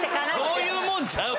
そういうもんちゃう。